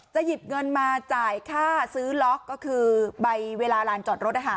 หยิบเงินมาจ่ายค่าซื้อล็อกก็คือใบเวลาลานจอดรถ